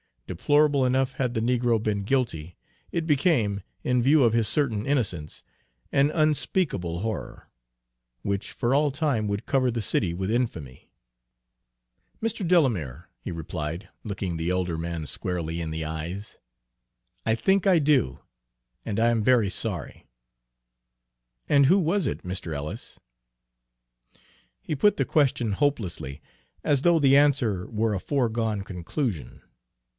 Deplorable enough had the negro been guilty, it became, in view of his certain innocence, an unspeakable horror, which for all time would cover the city with infamy. "Mr. Delamere," he replied, looking the elder man squarely in the eyes, "I think I do, and I am very sorry." "And who was it, Mr. Ellis?" He put the question hopelessly, as though the answer were a foregone conclusion.